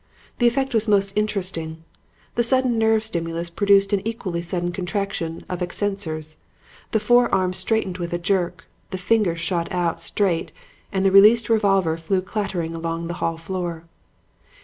The effect was most interesting. The sudden nerve stimulus produced an equally sudden contraction of the extensors. The forearm straightened with a jerk, the fingers shot out straight and the released revolver flew clattering along the hall floor.